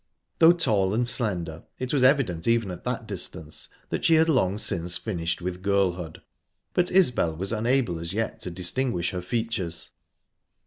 Though tall and slender, it was evident even at that distance that she had long since finished with girlhood, but Isbel was unable as yet to distinguish her features.